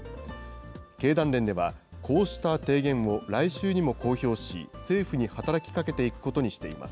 経団連では、こうした提言を来週にも公表し、政府に働きかけていくことにしています。